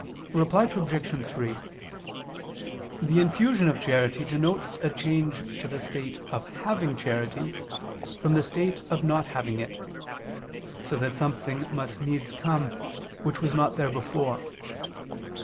Reply Obj. 3: The infusion of charity denotes a change to the state of having charity from the state of not having it, so that something must needs come which was not there before.